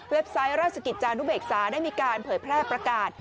ไซต์ราชกิจจานุเบกษาได้มีการเผยแพร่ประกาศ